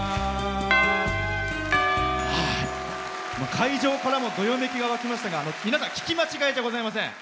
会場からもどよめきがわきましたが皆さん、聞き間違いじゃございません。